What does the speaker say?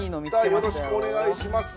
よろしくお願いします。